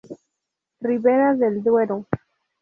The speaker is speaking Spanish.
Ribera del Duero.